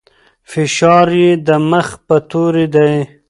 فشار يې د مخ پر توري دی.